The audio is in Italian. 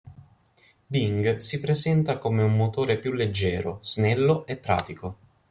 Bing si presenta come un motore più leggero, snello e pratico.